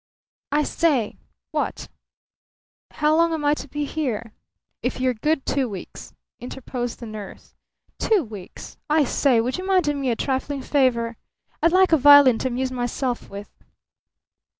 I say!" "What?" "How long am I to be here?" "If you're good, two weeks," interposed the nurse. "Two weeks? I say, would you mind doing me a trifling favour? I'd like a violin to amuse myself with."